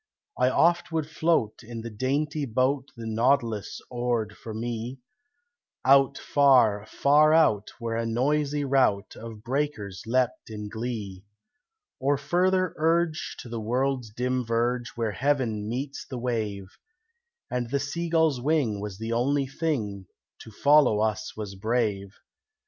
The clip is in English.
I oft would float in the dainty boat The Nautilus oared for me, Out, far, far out, where a noisy rout Of breakers leapt in glee; Or further urge to the world's dim verge, Where heaven meets the wave, And the seagull's wing was the only thing To follow us was brave.